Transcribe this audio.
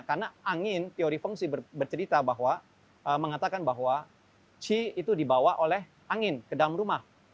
karena angin teori feng shui bercerita bahwa mengatakan bahwa qi itu dibawa oleh angin ke dalam rumah